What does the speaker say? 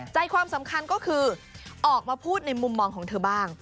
ใจความสำคัญก็คือออกมาพูดในมุมมองของเธอบ้าง